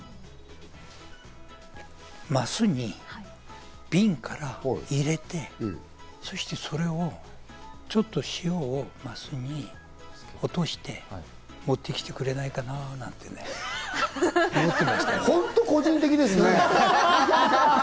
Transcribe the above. お酒をね、マスに瓶から入れて、そしてそれ、ちょっと塩、マスに落として、持ってきてくれないかなぁなんて思ってましたね。